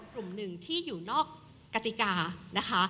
กลุ่มหนึ่งที่อยู่นอกกติกานะคะ